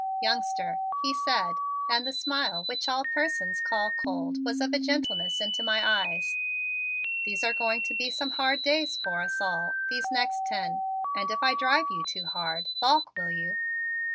"Youngster," he said and the smile which all persons call cold was all of gentleness into my eyes, "these are going to be some hard days for us all, these next ten, and if I drive you too hard, balk, will you?"